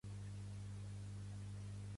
El déu més influent és Zeus.